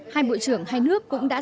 hai bộ trưởng hai nước cũng đề nghị